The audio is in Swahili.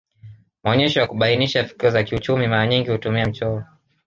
Maonyesho ya kubainisha fikira za kiuchumi mara nyingi hutumia michoro